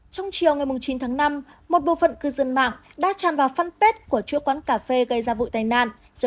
trong chiều ngày chín tháng năm một bộ phận cư dân mạng đã tràn vào phân pết của chỗ quán cà phê gây ra vụ tài nạn